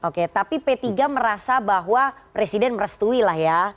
oke tapi p tiga merasa bahwa presiden merestui lah ya